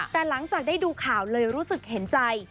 แต่หลังจากได้ดูข่าวเลยรู้สึกเห็นใจ